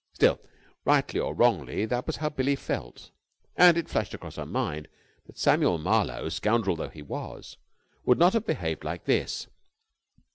Still, rightly or wrongly, that was how Billie felt: and it flashed across her mind that Samuel Marlowe, scoundrel though he was, would not have behaved like this.